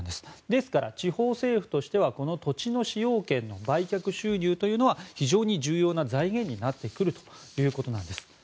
ですから、地方政府としてはこの土地の使用権の売却収入というのは非常に重要な財源になってくるということなんです。